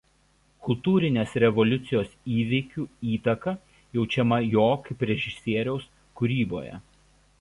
Kultūrinės revoliucijos įvykių įtaka jaučiama jo kaip režisieriaus kūryboje.